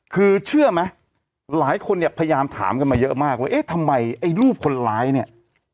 คือเชื่อไหมหลายคนเนี่ยพยายามถามกันมาเยอะมากว่าเอ๊ะทำไมไอ้รูปคนร้ายเนี่ย